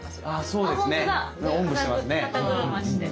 そうですね。